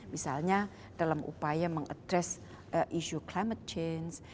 misalnya dalam upaya mengadres isu climate change